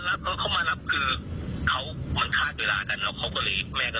มันก็จะไปได้ทุกที่ทุกทางตามที่จินตนาการของแต่คน